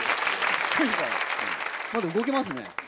まだ動けますね。